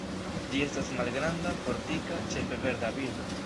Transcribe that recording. Ĝi estas malgranda, fortika, ĉefe verda birdo.